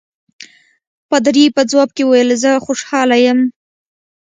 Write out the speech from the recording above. پادري په ځواب کې وویل زه خوشاله یم.